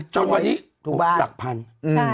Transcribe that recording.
จนวันนี้ปลูกแบบรักพันธุ์